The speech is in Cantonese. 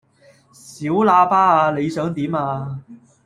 小喇叭呀！你想點呀